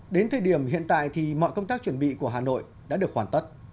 đến thời điểm hiện tại thì mọi công tác chuẩn bị của hà nội đã được hoàn tất